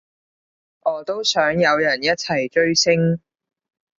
我都想有人一齊追星